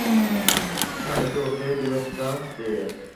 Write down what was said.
গাড়িতে উঠে ডিভাইসটা দেবে।